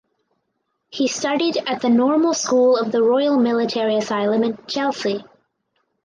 He studied at the Normal School of the Royal Military Asylum in Chelsea.